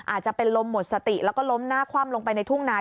อาจจะเป็นลมหมดสติแล้วก็ล้มหน้าคว่ำลงไปในทุ่งนา